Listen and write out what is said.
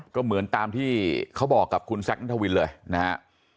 ก็เหมือนตามที่เขาบอกกับคุณแซคนัทวินเลยนะฮะ